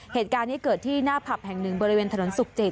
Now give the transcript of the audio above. เหตุการณ์นี้เกิดที่หน้าผับแห่งหนึ่งบริเวณถนนสุขจิต